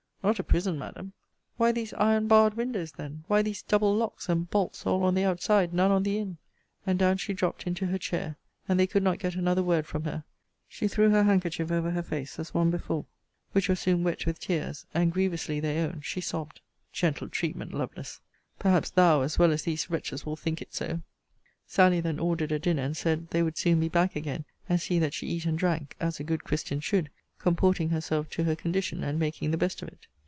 Not a prison, Madam. Why these iron barred windows, then? Why these double locks and bolts all on the outside, none on the in? And down she dropt into her chair, and they could not get another word from her. She threw her handkerchief over her face, as one before, which was soon wet with tears; and grievously, they own, she sobbed. Gentle treatment, Lovelace! Perhaps thou, as well as these wretches, will think it so! Sally then ordered a dinner, and said, They would soon be back a gain, and see that she eat and drank, as a good christian should, comporting herself to her condition, and making the best of it.